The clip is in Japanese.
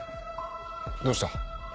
どうした？